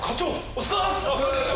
お疲れさまです！